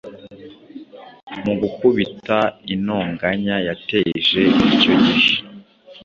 Mugukubita Intonganya yateje icyo gihe